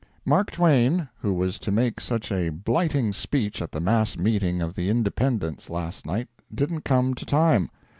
—Mark Twain, who was to make such a blighting speech at the mass meeting of the Independents last night, didn't come to time!